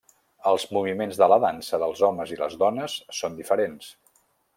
Els moviments de la dansa dels homes i les dones són diferents.